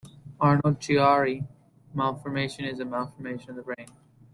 Arnold-Chiari malformation is a malformation of the brain.